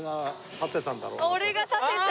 俺が建てた。